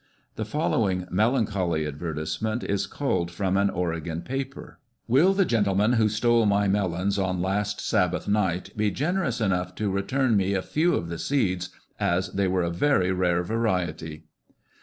The following melancholy advertisement is culled from an Oregon paper: " Will the gentleman who stole my melons on last sabbath night be generous enough to return me a few of the seeds, as they were a very rare variety."